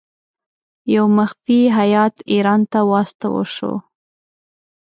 یو مخفي هیات ایران ته واستاوه شو.